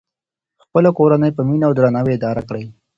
خپله کورنۍ په مینه او درناوي اداره کړئ.